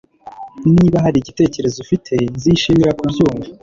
Niba hari igitekerezo ufite, nzishimira kubyumva